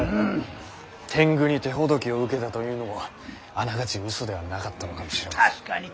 天狗に手ほどきを受けたというのもあながち嘘ではなかったのかもしれませんね。